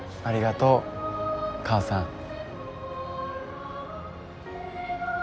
ありがとう母さん。